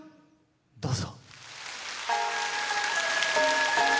どうぞ。